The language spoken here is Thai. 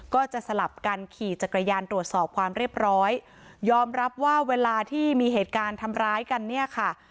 สลับกันขี่จักรยานตรวจสอบความเรียบร้อยยอมรับว่าเวลาที่มีเหตุการณ์ทำร้ายกันเนี่ยค่ะ